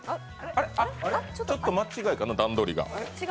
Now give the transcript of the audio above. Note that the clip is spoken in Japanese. あっ、ちょっと間違いかな、段取りが。